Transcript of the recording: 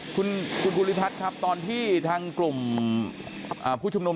คุณภูริพัฒน์ครับตอนที่ทางกลุ่มผู้ชุมนุม